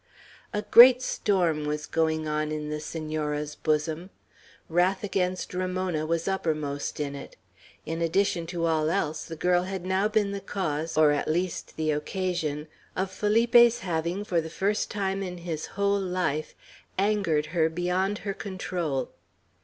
A great storm was going on in the Senora's bosom. Wrath against Ramona was uppermost in it. In addition to all else, the girl had now been the cause, or at least the occasion, of Felipe's having, for the first time in his whole life, angered her beyond her control.